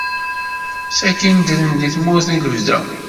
Sakkin ddren deg tumert i lebda.